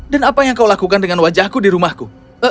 dan apa yang kau lakukan dengan wajahku di rumahku